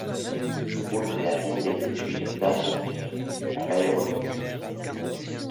Le groupe réalise des études d’ingénierie dans l’aéronautique.